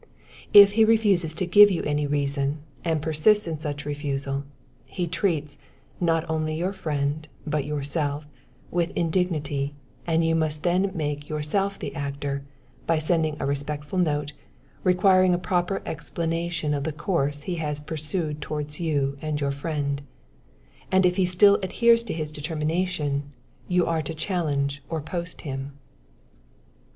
If he refuses to give you any reason, and persists in such refusal, he treats, not only your friend, but yourself, with indignity, and you must then make yourself the actor, by sending a respectful note, requiring a proper explanation of the course he has pursued towards you and your friend; and if he still adheres to his determination, you are to challenge or post him.